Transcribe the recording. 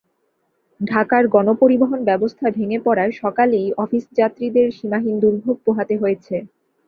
ঢাকার গণপরিবহন ব্যবস্থা ভেঙে পড়ায় সকালেই অফিস যাত্রীদের সীমাহীন দুর্ভোগ পোহাতে হয়েছে।